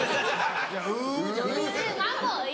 「ウ」じゃない。